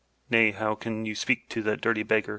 *'Nay, how can you speak to that dirty beggar?